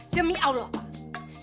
demi allah pak